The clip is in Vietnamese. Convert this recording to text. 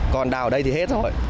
còn đào ở đây thì hết